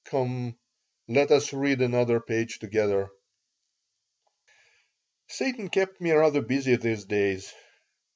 Come, let us read another page together." Satan kept me rather busy these days.